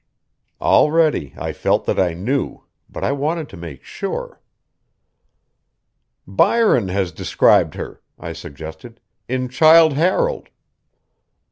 Already I felt that I knew, but I wanted to make sure. "Byron has described her," I suggested, "in Childe Harold."